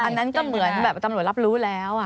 อันนั้นก็เหมือนแบบตำรวจรับรู้แล้ว